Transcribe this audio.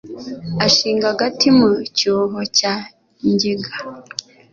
Ashinga agati mu cyuho cya Ngiga